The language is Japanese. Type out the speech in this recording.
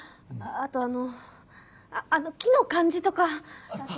あとあのあの木の感じとかあと。